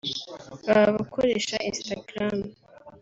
baba abakoresha Instagram